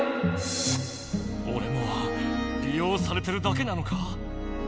おれもり用されてるだけなのか？